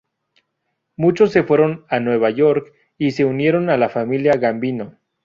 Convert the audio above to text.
Muchos se fueron a Nueva York y se unieron a la familia Gambino.